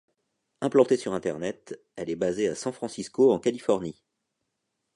Implantée sur Internet, elle est basée à San Francisco en Californie.